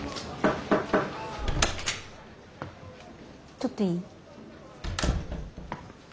ちょっといい？